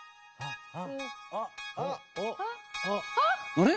あれ？